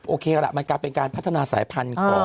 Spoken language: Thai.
โอเคละมันกลายเป็นการพัฒนาสายพันธุ์ของ